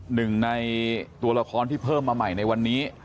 หนึ่งในตัวละครที่เพิ่มมาใหม่ในวันนี้